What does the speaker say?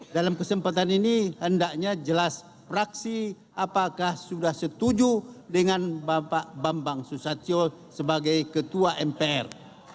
dalam kesempatan ini hendaknya jelas praksi apakah sudah setuju dengan bapak bambang susatyo sebagai ketua mpr